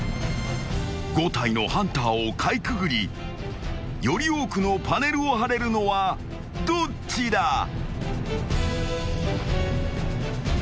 ［５体のハンターをかいくぐりより多くのパネルをはれるのはどっちだ？］